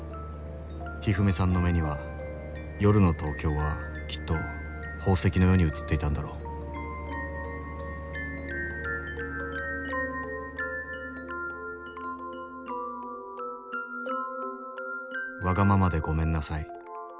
ひふみさんの目には夜の東京はきっと宝石のように映っていたんだろう「わがままでごめんなさい」。